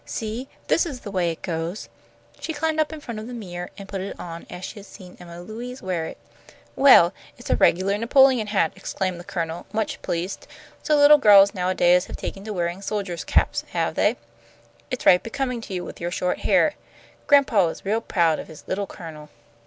See! This is the way it goes." She climbed up in front of the mirror, and put it on as she had seen Emma Louise wear hers. "Well, it's a regular Napoleon hat," exclaimed the Colonel, much pleased. "So little girls nowadays have taken to wearing soldier's caps, have they? It's right becoming to you with your short hair. Grandpa is real proud of his 'little Colonel.'"